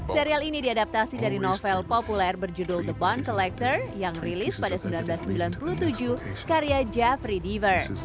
serial ini diadaptasi dari novel populer berjudul the bond collector yang rilis pada seribu sembilan ratus sembilan puluh tujuh karya jeffrey dever